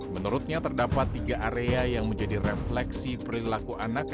menurutnya terdapat tiga area yang menjadi refleksi perilaku anak